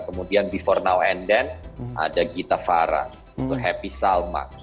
kemudian before now and then ada gita farah untuk happy salma